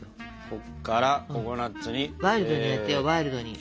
こっからココナツに。